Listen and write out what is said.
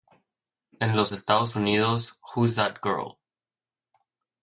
En los Estados Unidos, "Who's That Girl?